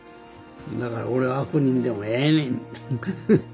だから俺は悪人でもええねんって。